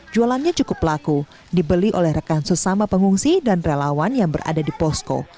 jualannya cukup laku dibeli oleh rekan sesama pengungsi dan relawan yang berada di posko